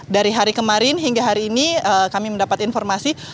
dari hari kemarin hingga hari ini kami mendapat informasi